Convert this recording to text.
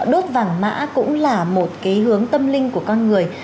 đốt vàng mã cũng là một cái hướng tâm linh của con người